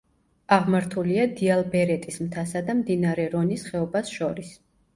აღმართულია დიალბერეტის მთასა და მდინარე რონის ხეობას შორის.